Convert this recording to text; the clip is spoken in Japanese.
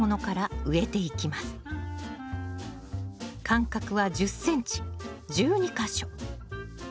間隔は１０ｃｍ１２か所。